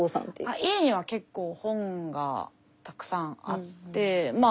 家には結構本がたくさんあってまぁ